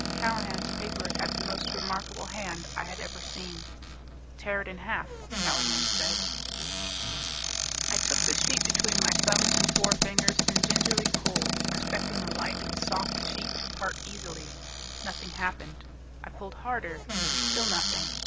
Callahan's paper had the most remarkable hand I had ever seen. "Tear it in half," Callahan said. I took the sheet between my thumbs and forefingers and gingerly pulled, expecting the light and soft sheet to part easily. Nothing happened. I pulled harder, and still nothing.